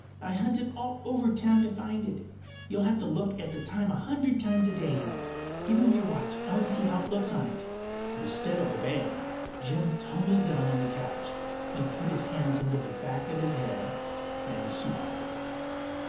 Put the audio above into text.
I hunted all over town to find it. You’ll have to look at the time a hundred times a day now. Give me your watch. I want to see how it looks on it.” Instead of obeying, Jim tumbled down on the couch and put his hands under the back of his head and smiled.